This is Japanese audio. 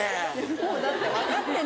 もうだって分かってる。